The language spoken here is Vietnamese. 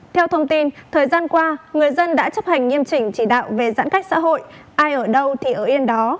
theo thông tin thời gian qua người dân đã chấp hành nghiêm chỉnh chỉ đạo về giãn cách xã hội ai ở đâu thì ở yên đó